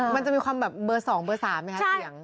มันจะมีความแบบเบอร์๒เบอร์๓ไหมคะเสียง